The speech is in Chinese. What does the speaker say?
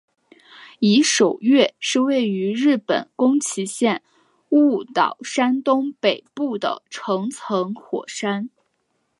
夷守岳是位在日本宫崎县雾岛山东北部的成层火山。